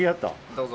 どうぞ。